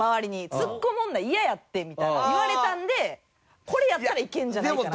「ツッコむ女嫌やって」みたいな言われたんでこれやったらいけんじゃないかな。